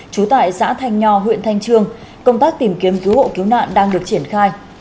trú tại xã thanh nho huyện thanh trương công tác tìm kiếm cứu hộ cứu nạn đang được triển khai